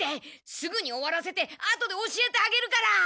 すぐに終わらせて後で教えてあげるから！